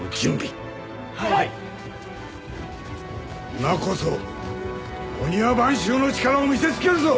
今こそ御庭番衆の力を見せつけるぞ！